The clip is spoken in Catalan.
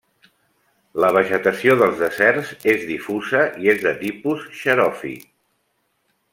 La vegetació dels deserts és difusa i és de tipus xeròfit.